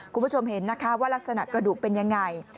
คุณผู้ชมเห็นนะคะว่ารักษณะกระดูกเป็นยังไง